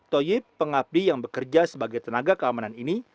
toyib pengabdi yang bekerja sebagai tenaga keamanan ini